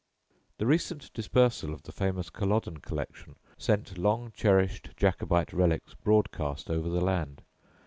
The recent dispersal of the famous Culloden collection sent long cherished Jacobite relics broadcast over the land.